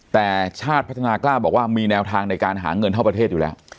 แต่ชาติพัฒนากล้าบอกว่ามีแนวทางในการหาเงินเท่าประเทศอยู่แล้ว